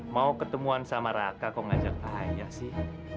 mau ketemuan sama raka kau ngajak aja sih